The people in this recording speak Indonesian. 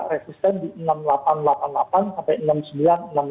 resisten di enam puluh delapan delapan puluh delapan sampai enam puluh sembilan sepuluh